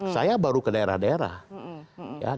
saya baru ke daerah daerah